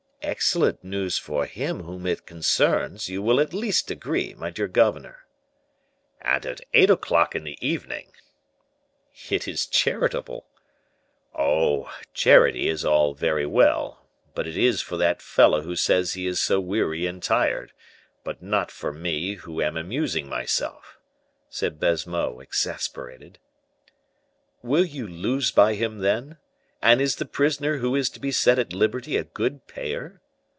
"Excellent news for him whom it concerns, you will at least agree, my dear governor!" "And at eight o'clock in the evening!" "It is charitable!" "Oh! charity is all very well, but it is for that fellow who says he is so weary and tired, but not for me who am amusing myself," said Baisemeaux, exasperated. "Will you lose by him, then? And is the prisoner who is to be set at liberty a good payer?"